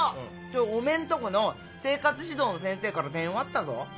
今日おめえんとこの生活指導の先生から電話あったぞ。